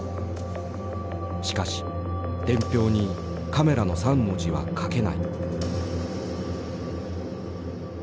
しかし伝票に「カメラ」の３文字は書けない。